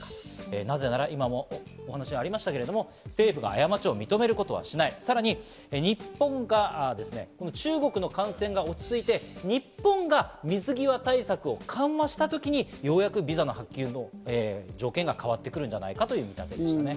なぜなら政府が過ちを認めることはしない、さらに日本が中国の感染が落ち着いて、日本が水際対策を緩和した時に、ようやくビザの発給の条件が変わってくるんじゃないかということです。